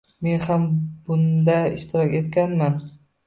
Men ham bunda ishtirok etganman.